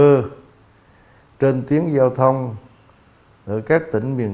em tên kiến giao thông ở các tỉnh miền